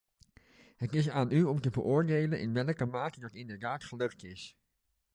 Het is aan u om te beoordelen in welke mate dat inderdaad gelukt is.